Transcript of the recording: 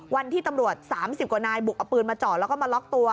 วันที่ตำรวจ๓๐กว่านายบุกเอาปืนมาจอดแล้วก็มาล็อกตัว